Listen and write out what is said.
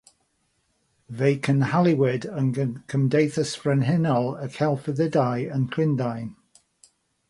Fe'i cynhaliwyd yng Nghymdeithas Frenhinol y Celfyddydau yn Llundain.